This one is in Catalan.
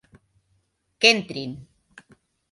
Que entrin.